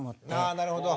あなるほど。